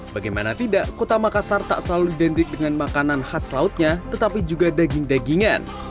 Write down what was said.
bagaimana tidak kota makassar tak selalu identik dengan makanan khas lautnya tetapi juga daging dagingan